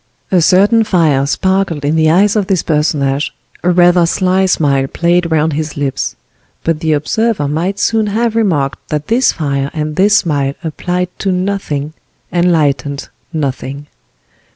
A certain fire sparkled in the eyes of this personage, a rather sly smile played round his lips; but the observer might soon have remarked that this fire and this smile applied to nothing, enlightened nothing.